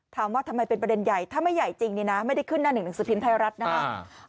ถามว่าทำไมเป็นประเด็นใหญ่ถ้าไม่ใหญ่จริงเนี่ยนะไม่ได้ขึ้นหน้าหนึ่งหนังสือพิมพ์ไทยรัฐนะครับ